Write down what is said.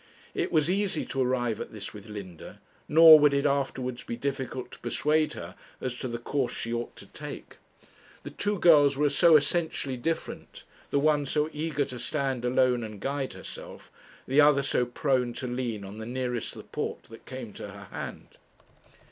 It was easy to arrive at this with Linda, nor would it afterwards be difficult to persuade her as to the course she ought to take. The two girls were so essentially different; the one so eager to stand alone and guide herself, the other so prone to lean on the nearest support that came to her hand.